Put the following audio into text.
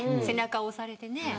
背中を押されてね。